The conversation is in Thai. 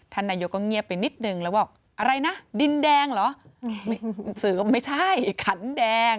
นายกก็เงียบไปนิดนึงแล้วบอกอะไรนะดินแดงเหรอสื่อก็ไม่ใช่ขันแดง